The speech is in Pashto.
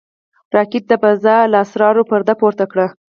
راکټ د فضا له اسرارو پرده پورته کړه